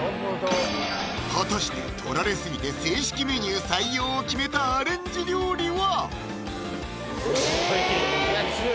果たして取られ過ぎて正式メニュー採用を決めたアレンジ料理は？